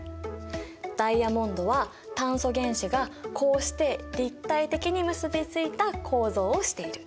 ダイヤモンドは炭素原子がこうして立体的に結びついた構造をしている。